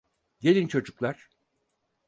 Gelin çocuklar.